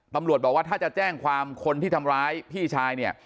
ตำรวจบอกว่าถ้าจะแจ้งความคนที่ทำร้ายพี่ชายเนี่ย